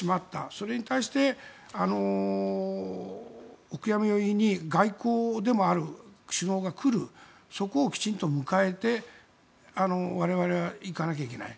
それに対して、お悔やみに外交でもある首脳が来るそこをきちんと我々は迎えていかなきゃいけない。